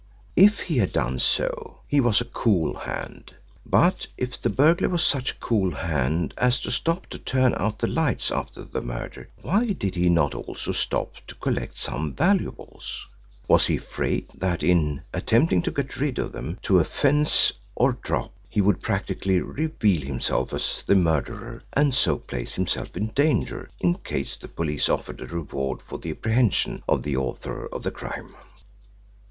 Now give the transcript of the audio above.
If he had done so, he was a cool hand. But if the burglar was such a cool hand as to stop to turn out the lights after the murder why did he not also stop to collect some valuables? Was he afraid that in attempting to get rid of them to a "fence" or "drop" he would practically reveal himself as the murderer and so place himself in danger in case the police offered a reward for the apprehension of the author of the crime?